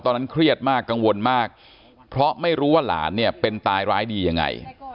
เครียดมากกังวลมากเพราะไม่รู้ว่าหลานเนี่ยเป็นตายร้ายดียังไง